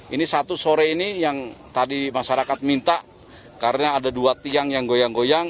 ini satu sore ini yang tadi masyarakat minta karena ada dua tiang yang goyang goyang